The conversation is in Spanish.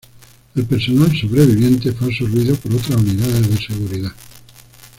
El personal sobreviviente fue absorbido por otras unidades de seguridad.